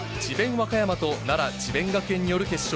和歌山と奈良・智弁学園による決勝。